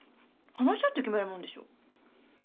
話し合って決めるもんでしょ。